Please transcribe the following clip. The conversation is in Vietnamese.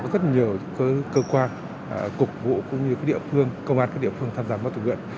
các cơ quan cục vụ công an địa phương tham gia máu tình nguyện